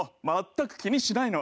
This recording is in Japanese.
全く気にしないの。